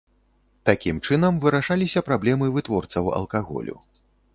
Такім чынам вырашаліся праблемы вытворцаў алкаголю.